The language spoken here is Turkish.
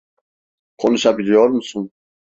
Konuşabiliyor musun?